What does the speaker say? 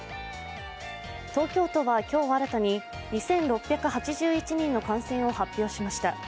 東京都は今日新たに２６８１人の感染を発表しました。